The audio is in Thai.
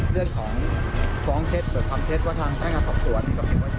เรื่องของคว้องเท็จความเท็จว่าทางแท่งงานของสวนความเท็จว่าอย่างไรบ้าง